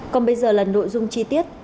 còn bây giờ là nội dung chi tiết